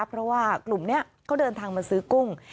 เพราะว่ากลุ่มนี้เขาเดินทางมาซื้อกุ้ง